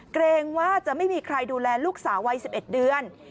เกรงว่าจะไม่มีใครดูแลลูกสาววัย๑๑เดือน